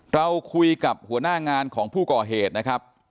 เราคุยกับหัวหน้างานของผู้ก่อเหตุนะครับ